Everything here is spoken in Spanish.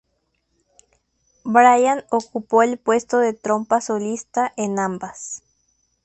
Brain ocupó el puesto de trompa solista en ambas.